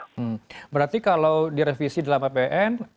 hmm berarti kalau direvisi dalam apn